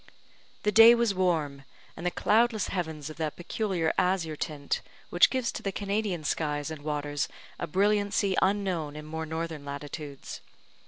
The day was warm, and the cloudless heavens of that peculiar azure tint which gives to the Canadian skies and waters a brilliancy unknown in more northern latitudes.